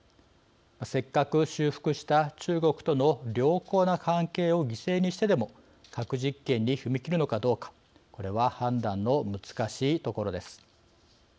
せっかく修復した中国との良好な関係を犠牲にしてでも核実験に踏み切るのかどうかこれは判断の難しいところです。